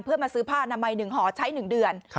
เพื่อมาซื้อผ้านามัย๑ห่อใช้๑เดือน